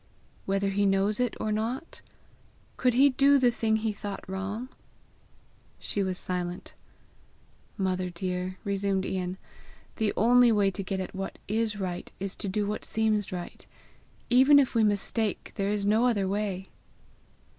"Whether he knows it or not? Could he do the thing he thought wrong?" She was silent. "Mother dear," resumed Ian, "the only Way to get at what IS right is to do what seems right. Even if we mistake there is no other way!"